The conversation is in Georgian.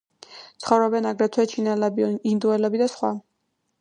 ცხოვრობენ აგრეთვე ჩინელები, ინდოელები და სხვა.